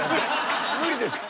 無理です。